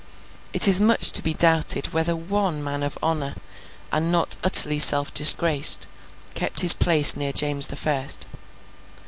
It is much to be doubted whether one man of honour, and not utterly self disgraced, kept his place near James the First.